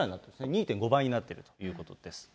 ２．５倍になっているということです。